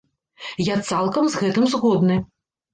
Я цалкам з гэтым згодны.